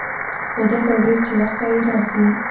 خو ده به ويل چې وخت به يې راسي.